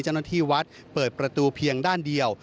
เจ้าหน้าที่วัดเปิดประตูเพียงด้านเดียว